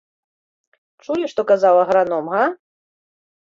Чулі, што казаў аграном, га?